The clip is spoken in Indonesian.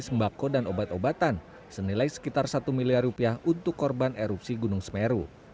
sembako dan obat obatan senilai sekitar satu miliar rupiah untuk korban erupsi gunung semeru